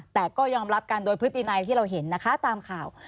แต่ก็ยอมรับกันโดยพฤตินัยที่เราเห็นนะคะตามข่าว